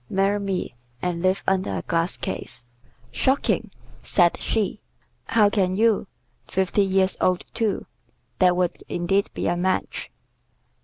Marry me, and live under a glass case." "Shocking!" said she. "How can you? Fifty years old, too! That would indeed be a match!"